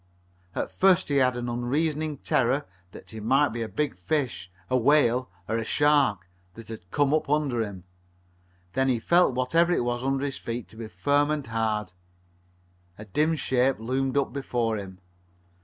At first he had an unreasoning terror that it might be a big fish a whale or a shark that had come up under him. Then he felt whatever it was under his feet to be firm and hard. A dim shape loomed up before him.